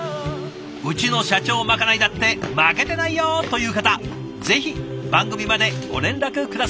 うちの社長まかないだって負けてないよ！という方ぜひ番組までご連絡下さい。